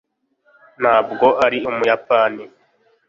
ntabwo uri umuyapani